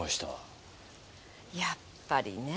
やっぱりね。